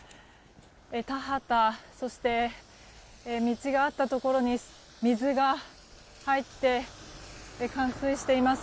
田畑そして、道があったところに水が入って冠水しています。